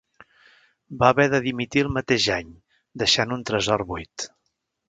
Va haver de dimitir el mateix any, deixant un tresor buit.